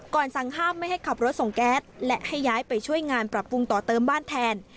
สั่งห้ามไม่ให้ขับรถส่งแก๊สและให้ย้ายไปช่วยงานปรับปรุงต่อเติมบ้านแทน